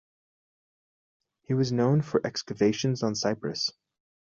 He was known for excavations on Cyprus.